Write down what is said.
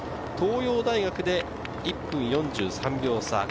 東洋大学で１分４３秒差。